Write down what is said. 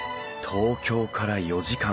東京から４時間。